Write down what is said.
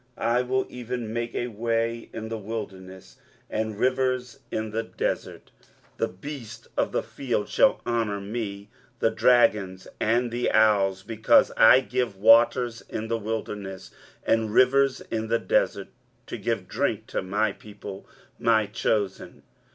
I will even make a way in the wilderness, and rivers in the desert. 23:043:020 The beast of the field shall honour me, the dragons and the owls: because I give waters in the wilderness, and rivers in the desert, to give drink to my people, my chosen.